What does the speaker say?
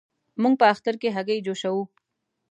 موږ په اختر کې هګی جوش کوو.